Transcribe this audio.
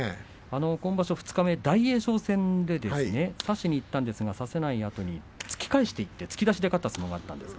今場所二日目大栄翔戦で差しにいったんですが差せないあとに突き返していって突き出しで勝った相撲がありました。